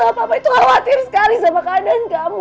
mama sama papa itu khawatir sekali sama keadaan kamu